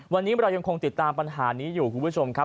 วันนี้เรายังคงติดตามปัญหานี้อยู่คุณผู้ชมครับ